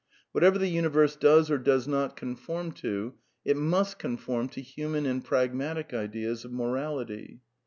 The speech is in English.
Whatever the Uni verse does or does not conform to, it must conform to human and pragmatic ideas of morality.